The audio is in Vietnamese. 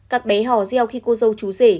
các bé hò reo khi cô dâu chú rể